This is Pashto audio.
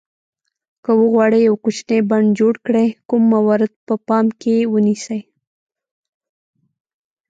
که وغواړئ یو کوچنی بڼ جوړ کړئ کوم موارد په پام کې ونیسئ.